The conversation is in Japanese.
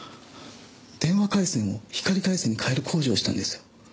電話回線を光回線に変える工事をしたんです。